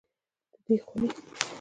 د دې خونې